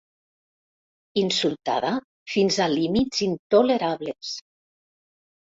Insultada fins a límits intolerables.